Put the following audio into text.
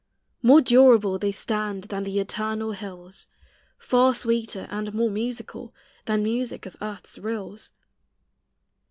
More durable they stand Than the eternal hills; Far sweeter and more musical Than music of earth's rills.